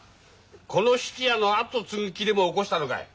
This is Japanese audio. この質屋のあとを継ぐ気でも起こしたのかい。